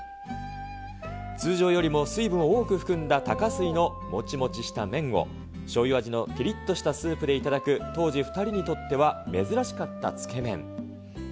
通常よりも水分を多く含んだたかすいのもちもちした麺を、しょうゆ味のきりっとしたスープで頂く、当時２人にとっては珍しかったつけ麺。